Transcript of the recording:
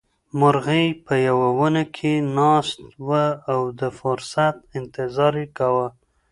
مرغۍ په یوه ونه کې ناسته وه او د فرصت انتظار یې کاوه.